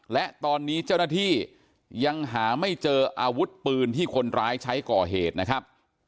และตอนนี้เจ้าหน้าที่ยังหาไม่เจออาวุธปืนที่คนร้ายใช้ก่อเหตุนะครับ